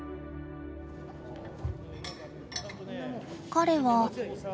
彼は。